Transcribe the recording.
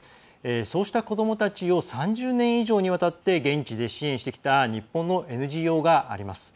そうした子どもたちを３０年以上にわたって現地で支援してきた日本のＮＧＯがあります。